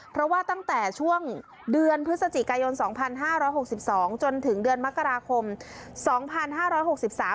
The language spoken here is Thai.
เพราะว่าตั้งแต่ช่วงเดือนพฤศจิกายนสองพันห้าร้อยหกสิบสองจนถึงเดือนมกราคมสองพันห้าร้อยหกสิบสาม